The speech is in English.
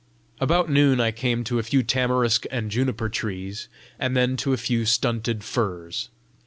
About noon I came to a few tamarisk and juniper trees, and then to a few stunted firs.